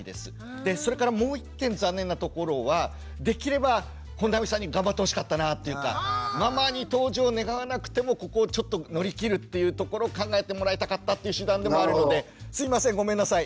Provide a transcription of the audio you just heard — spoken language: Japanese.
それからもう１点残念なところはできれば本並さんに頑張ってほしかったなっていうかママに登場願わなくてもここをちょっと乗り切るっていうところ考えてもらいたかったっていう手段でもあるのですいませんごめんなさい